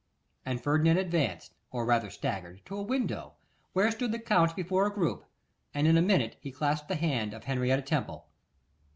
and Ferdinand advanced, or rather staggered, to a window where stood the Count before a group, and in a minute he clasped the hand of Henrietta Temple.